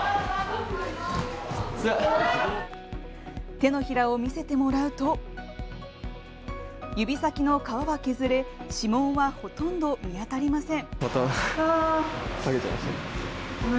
手のひらを見せてもらうと指先の皮は削れ指紋は、ほとんど見当たりません。